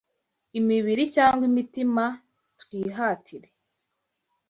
imibiri cyangwa imitima, twihatire